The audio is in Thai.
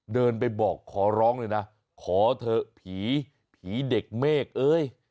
เดินไปบอกขอร้องเลยนะขอเถอะผีผีเด็กเมฆเอ้ย